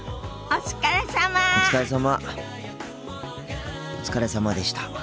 お疲れさまでした。